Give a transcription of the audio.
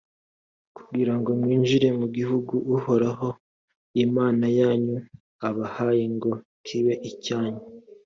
kugira ngo mwinjire mu gihugu, uhoraho, imana yanyu, abahaye ngo kibe icyanyu.